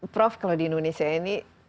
prof kalau di indonesia ini